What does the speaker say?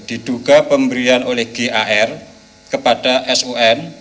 diduga pemberian oleh gar kepada sun